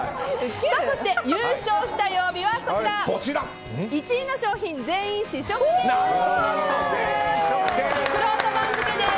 そして、優勝した曜日は１位の商品全員試食券です。